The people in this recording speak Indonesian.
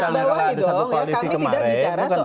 misalnya kalau ada satu koalisi kemarin